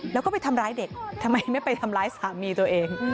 แล้วก็ไปทำร้ายเด็กทำไมไม่ไปทำร้ายสามีตัวเอง